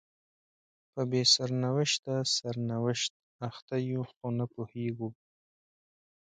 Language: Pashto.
په بې سرنوشته سرنوشت اخته یو خو نه پوهیږو